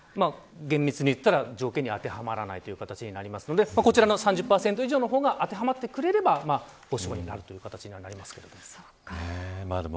厳密に言ったら条件に当てはまらない形になるのでこちらの３０％以上の方があてはまってくれれば補償になるという形にはなりますけれども。